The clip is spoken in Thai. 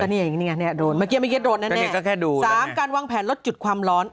เมื่อกี้ไม่เก็บโดรนนะแน่๓การวางแผนลดจุดความร้อน